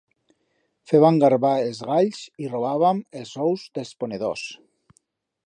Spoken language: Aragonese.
Fébam garbar els galls y robábam els ous d'els ponedors.